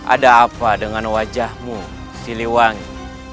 ada apa dengan wajahmu siliwangi